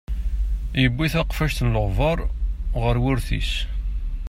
Yuwi taqfact n leɣbar ɣer wurti-s.